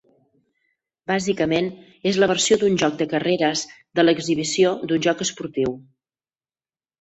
Bàsicament, és la versió d'un joc de carreres de l'exhibició d'un joc esportiu.